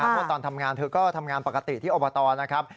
เพราะตอนทำงานเธอก็ทำงานปกติที่อบตนะครับ